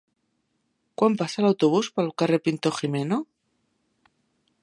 Quan passa l'autobús pel carrer Pintor Gimeno?